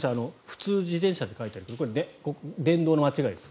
普通自転車って書いてあるけど電動の間違えです。